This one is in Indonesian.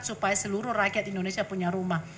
supaya seluruh rakyat indonesia punya rumah